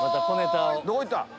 どこ行った？